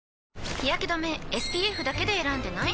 日やけ止めＳＰＦだけで選んでない？